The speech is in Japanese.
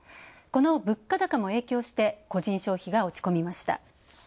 この物価高も影響して個人消費が落ち込みました。